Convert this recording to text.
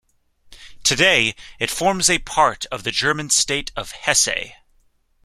Today, it forms a part of the German state of Hesse.